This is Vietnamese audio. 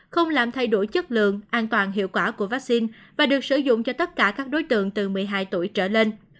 không làm thay đổi chất lượng an toàn hiệu quả của vaccine và được sử dụng cho tất cả các đối tượng từ một mươi hai tuổi trở lên